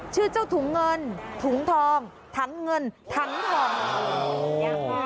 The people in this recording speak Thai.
ชื่อเจ้าถุงเงินถุงทองถังเงินถังทอง